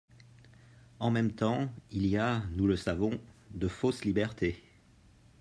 En même temps, il y a, nous le savons, de fausses libertés.